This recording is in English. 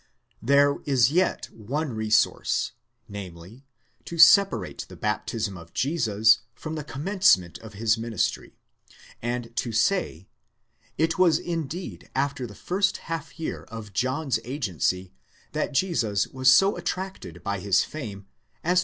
There is yet one resource, namely, to separate the baptism of Jesus from: the commencement of his ministry, and to say: It was indeed after the first half year of John's agency that Jesus was so attracted by his fame, as to.